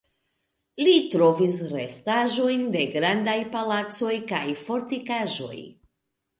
Li trovis restaĵojn de grandaj palacoj kaj fortikaĵoj.